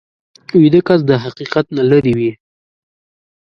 ویده کس د حقیقت نه لرې وي